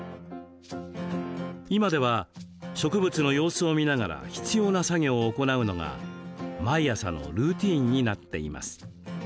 今では植物の様子を見ながら必要な作業を行うのが毎朝のルーティンになっています。